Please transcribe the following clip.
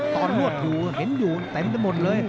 ตอนรวดอยู่เห็นอยู่เต็มทั้งหมดเลย